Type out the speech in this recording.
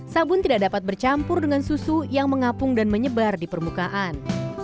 sabun tidak dapat bercampur dengan susu yang mengapung dan menyebar di permukaan